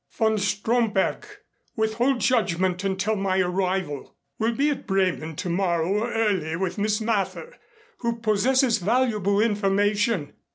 VON STROMBERG: Withhold judgment until my arrival. Will be at Bremen tomorrow early with Miss Mather, who possesses valuable information.